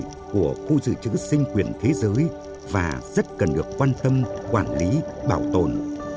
hải quỳ của khu dự trữ sinh quyền thế giới và rất cần được quan tâm quản lý bảo tồn